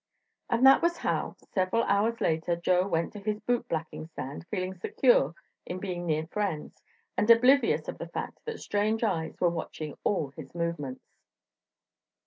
And that was how, several hours later, Joe went to his boot blacking stand, feeling secure in being near friends, and oblivious of the fact that strange eyes were watching all his movements.